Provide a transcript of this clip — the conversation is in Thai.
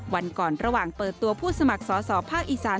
วันก่อนระหว่างเปิดตัวผู้สมัครสอสอภาคอีสาน